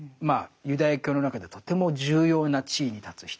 ユダヤ教の中ではとても重要な地位に立つ人ですね。